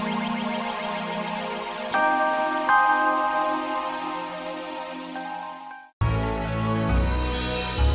mau ajak mama pergi